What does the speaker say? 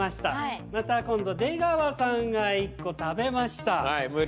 また今度出川さんが１個食べました。